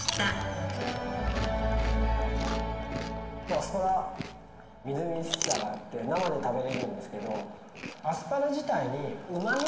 アスパラはみずみずしさがあって生で食べられるんですけど。